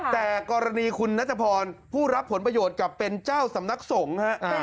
แต่กรณีคุณนัทพรผู้รับผลประโยชน์กับเป็นเจ้าสำนักสงฆ์ฮะ